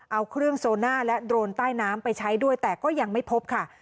เอาเครื่องโซน่าและโดรนใต้น้ำไปใช้ด้วยแต่ก็ยังไม่พบค่ะ